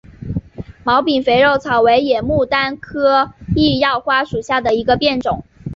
毛柄肥肉草为野牡丹科异药花属下的一个变种。